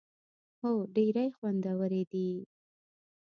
هو، ډیری خوندورې دي